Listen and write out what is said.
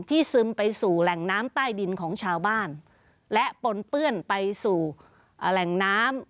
ซึมไปสู่แหล่งน้ำใต้ดินของชาวบ้านและปนเปื้อนไปสู่แหล่งน้ำ